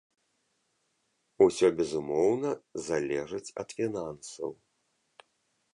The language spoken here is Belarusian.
Усё, безумоўна, залежыць ад фінансаў.